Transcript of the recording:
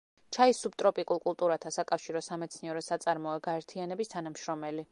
ჩაის სუბტროპიკულ კულტურათა საკავშირო სამეცნიერო-საწარმოო გაერთიანების თანამშრომელი.